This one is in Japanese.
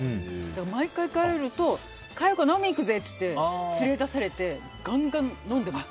毎回帰ると佳代子、飲みに行くぜ！って連れ出されてガンガン飲んでます。